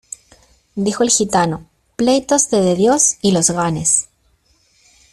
Dijo el gitano, pleitos te dé Dios, y los ganes.